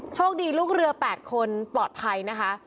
โชคดีลูกเรือ๘คนปลอดภัยนะคะ